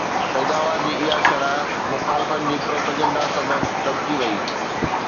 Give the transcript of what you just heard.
پيداوار جي اها شرح مخالفن جي پروپيگنڊا سبب دٻجي وئي